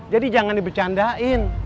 jadi jangan dibercandain